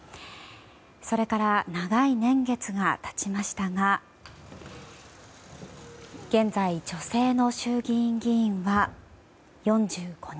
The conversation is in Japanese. それから長い年月が経ちましたが現在、女性の衆議院議員は４５人。